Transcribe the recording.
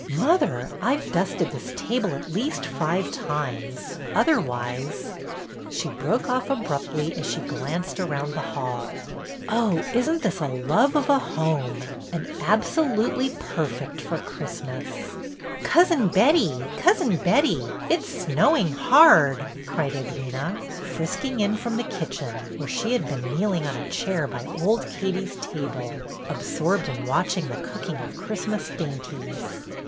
"Mother, I've dusted this table at least five times, otherwise —" She broke off abruptly as she glanced around the hall. "Oh, isn't this a love of a home ! And absolutely perfect for Christmas !" "Cousin Betty! Cousin Betty! It 's snow ing hard!" cried Edwyna, frisking in from the kitchen, where she had been kneeling on a chair by old Katie's table, absorbed in watch ing the cooking of Christmas dainties.